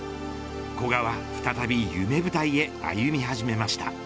古賀は再び夢舞台へ歩み始めました。